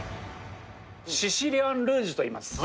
シシリアンルージュといいま何？